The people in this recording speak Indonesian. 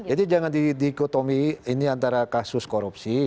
jadi jangan di dikotomi ini antara kasus korupsi